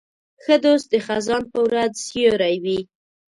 ښه دوست د خزان په ورځ سیوری وي.